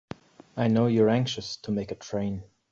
I know you're anxious to make a train.